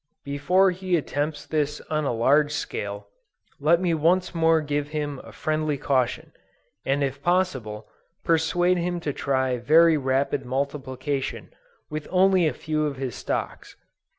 Before he attempts this on a large scale, let me once more give him a friendly caution, and if possible, persuade him to try very rapid multiplication with only a few of his stocks.